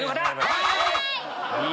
はい！